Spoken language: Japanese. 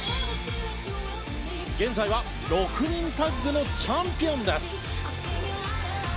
現在は６人タッグのチャンピオンです。